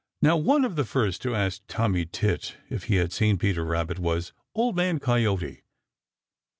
Now one of the first to ask Tommy Tit if he had seen Peter Rabbit was Old Man Coyote.